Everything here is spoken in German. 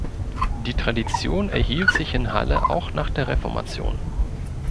Die Tradition erhielt sich in Halle auch nach der Reformation.